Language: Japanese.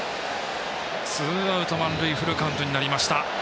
ツーアウト、満塁フルカウントになりました。